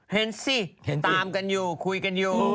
เห็นสิเห็นตามกันอยู่คุยกันอยู่